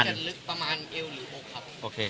มันจะลึกประมาณเอวหรือหกครับ